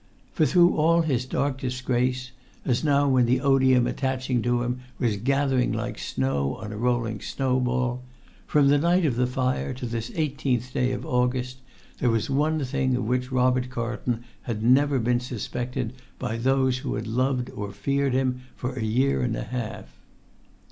For through all his dark disgrace, as now when the odium attaching to him was gathering like snow on a rolling snowball; from the night of the fire to this[Pg 128] eighteenth day of August; there was one thing of which Robert Carlton had never been suspected by those who had loved or feared him for a year and a half.